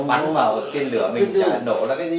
nó bắn vào tên lửa mình trả nổ là cái gì